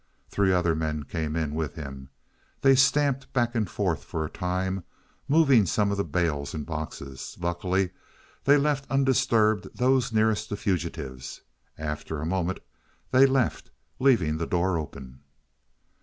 Three other men came with him. They stamped back and forth for a time, moving some of the bales and boxes. Luckily they left undisturbed those nearest the fugitives; after a moment they left, leaving the door open.